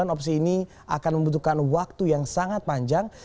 opsi ini akan membutuhkan waktu yang sangat panjang